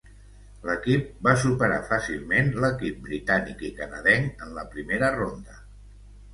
L'equip va superar fàcilment l'equip britànic i canadenc en la primera ronda.